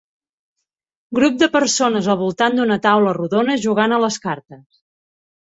Grup de persones al voltant d"una taula rodona jugant a les cartes.